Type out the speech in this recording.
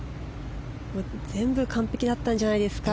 全部完璧だったんじゃないですか。